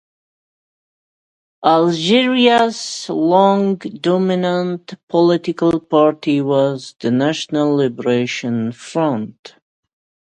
Algeria's long-dominant political party was the National Liberation Front